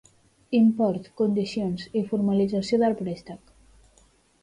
Import, condicions i formalització del préstec.